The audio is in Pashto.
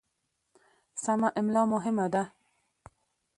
سمه املا مهمه ده.